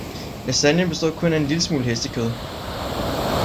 Lasagnen bestod kun af en lille smule hestekød.